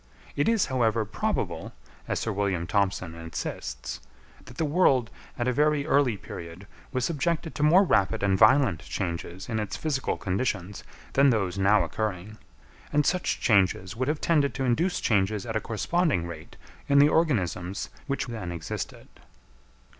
It is, however, probable, as Sir William Thompson insists, that the world at a very early period was subjected to more rapid and violent changes in its physical conditions than those now occurring; and such changes would have tended to induce changes at a corresponding rate in the organisms which then existed.